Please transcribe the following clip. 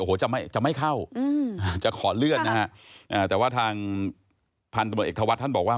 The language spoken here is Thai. โอ้โหจะไม่จะไม่เข้าอืมจะขอเลื่อนนะฮะอ่าแต่ว่าทางพันธุ์หมดเอกทวัตรท่านบอกว่า